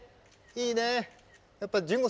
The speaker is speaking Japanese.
いいね！